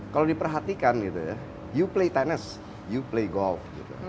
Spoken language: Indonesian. kalau diperhatikan gitu ya you play tenis you play golf gitu